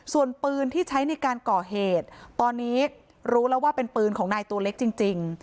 ส่วนปืนที่ใช้ในการก่อเหตุตอนนี้รู้แล้วว่าเป็นปืนของนายตัวเล็กจริง